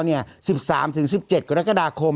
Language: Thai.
วันยย๑๓๑๗กรกฎาคม